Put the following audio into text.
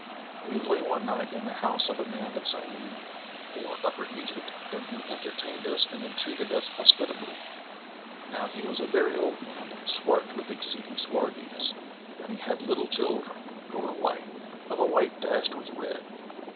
We lay one night in the house of a man of the Sa'нd or Upper Egypt, and he entertained us and entreated us hospitably. Now he was a very old man swart with exceeding swarthiness, and he had little children, who were white, of a white dashed with red.